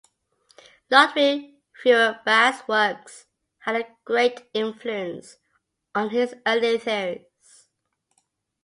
Ludwig Feuerbach's works had a great influence on his early theories.